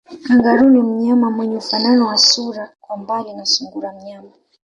Kangaroo ni mnyama mwenye ufanano wa sura kwa mbali na sungura mnyama